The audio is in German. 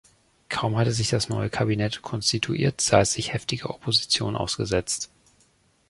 Kaum hatte sich das neue Kabinett konstituiert, sah es sich heftiger Opposition ausgesetzt.